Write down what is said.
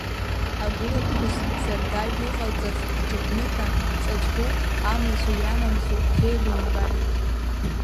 Агәылаԥҳәыс зардагь иҟалҵаз аҿыԥныҳәа ҵаҵӷәы амазу-иамамзу зеилумкааи?